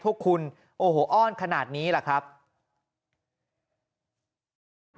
พวกคุณไม่ถอยผมก็ไม่ถอยเช่นกัน